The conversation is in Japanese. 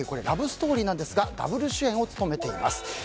ラブストーリーなんですがダブル主演を務めています。